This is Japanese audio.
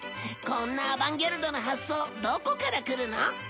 こんなアバンギャルドな発想どこからくるの？